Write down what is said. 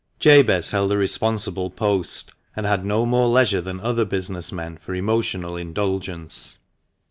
TABEZ held a responsible post, and had no more leisure than other business men for emotional indulgence.